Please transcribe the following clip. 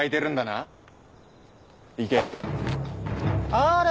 あれ。